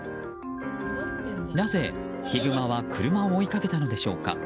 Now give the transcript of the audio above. なぜヒグマは車を追いかけたのでしょうか。